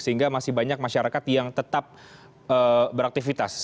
sehingga masih banyak masyarakat yang tetap beraktivitas